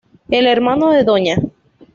El hermano de Dña.